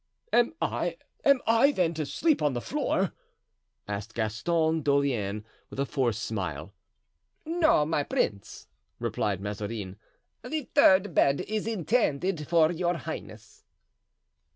"Am I—am I, then, to sleep on the floor?" asked Gaston d'Orleans, with a forced smile. "No, my prince," replied Mazarin, "the third bed is intended for your highness."